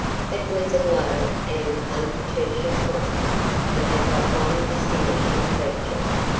It was a low and unpretentious one, and had but one distinguishing feature.